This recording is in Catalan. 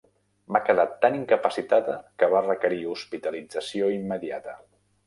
Va quedar tan incapacitada que va requerir hospitalització immediata.